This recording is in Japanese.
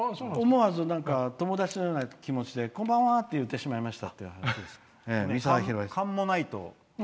思わず友達のような気持ちでこんばんはって言ってしまいました。